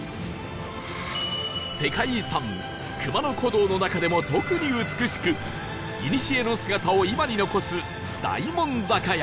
世界遺産熊野古道の中でも特に美しくいにしえの姿を今に残す大門坂や